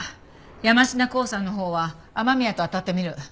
山科興産のほうは雨宮とあたってみる。